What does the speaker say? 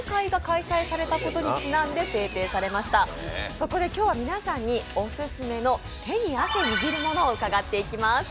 そこで今日は皆さんにオススメの手に汗握るものを伺っていきます。